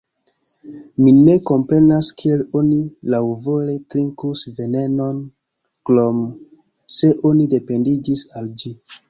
Mi ne komprenas kiel oni laŭvole trinkus venenon, krom se oni dependiĝis al ĝi.